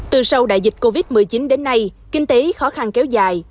từ sau đại dịch covid một mươi chín đến nay kinh tế khó khăn kéo dài